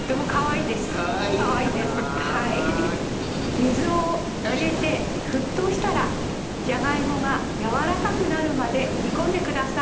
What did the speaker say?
水を入れて沸騰したらじゃがいもがやわらかくなるまで煮込んでください。